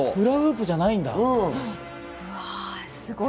フラフープじゃないんだ。